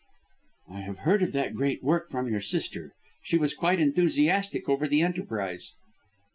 "I have heard of that great work from your sister. She was quite enthusiastic over the enterprise."